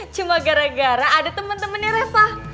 cuma gara gara ada temen temennya reva